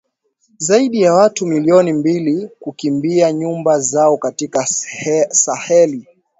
zaidi ya watu milioni mbili kukimbia nyumba zao katika Saheli